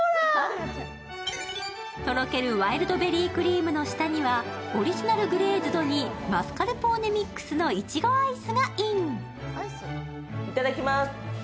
とろけるワイルドベリークリームの下にはオリジナル・グレーズドにマスカルポーネミックスのイチゴアイスがイン。